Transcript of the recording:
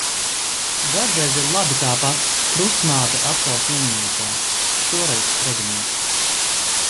Dažreiz ir labi tāpat. Krustmāte atkal slimnīcā. Šoreiz Stradiņos.